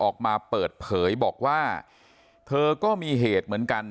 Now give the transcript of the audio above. ออกมาเปิดเผยบอกว่าเธอก็มีเหตุเหมือนกัน